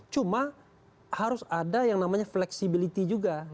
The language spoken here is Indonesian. cuma harus ada yang namanya fleksibilitas juga